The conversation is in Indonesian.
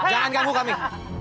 jangan ganggu kami